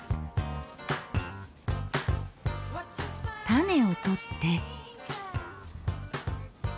種を取って。